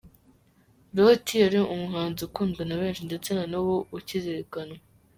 Loti yari umuhanzi ukundwa na benshi ndetse na n'ubu ukizirikanwa.